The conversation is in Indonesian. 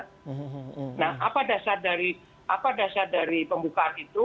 nah apa dasar dari pembukaan itu